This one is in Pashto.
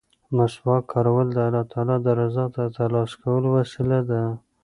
مسواک کارول د الله تعالی د رضا د ترلاسه کولو وسیله ده.